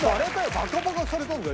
バカバカされたんだよ